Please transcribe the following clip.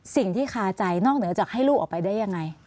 คาใจนอกเหนือจากให้ลูกออกไปได้ยังไง